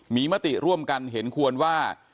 มีมติร่วมกันเห็นควรว่า